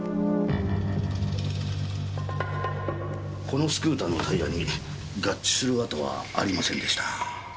このスクーターのタイヤに合致する跡はありませんでした。